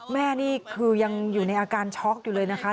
นี่คือยังอยู่ในอาการช็อกอยู่เลยนะคะ